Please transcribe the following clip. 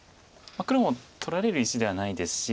黒も取られる石ではないですし